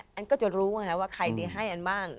อันก็จะรู้ไงว่าใครไปให้อันบ้าง